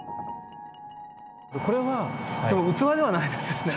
これは器ではないですよね？